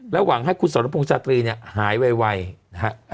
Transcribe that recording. หวังให้คุณสรพงษ์ชาตรีเนี่ยหายไวนะฮะ